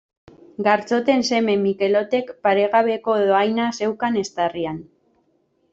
Gartxoten seme Mikelotek paregabeko dohaina zeukan eztarrian.